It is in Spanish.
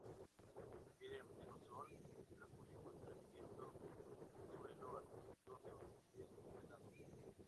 Prefieren pleno sol, refugio contra el viento, en un suelo arcilloso y bien drenado.